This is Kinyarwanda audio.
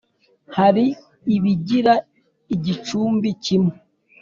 hari ibigira igicumbi kimwe